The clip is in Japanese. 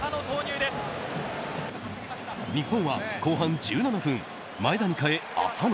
日本は後半１７分前田に代え、浅野。